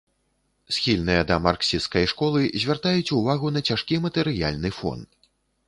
Схільныя да марксісцкай школы звяртаюць увагу на цяжкі матэрыяльны фон.